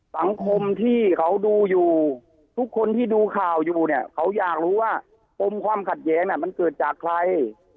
สังคมที่เขาดูอยู่ทุกคนที่ดูข่าวอยู่เนี่ยเขาอยากรู้ว่าปมความขัดแย้งมันเกิดจากใคร